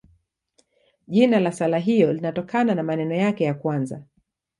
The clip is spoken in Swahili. Jina la sala hiyo linatokana na maneno yake ya kwanza.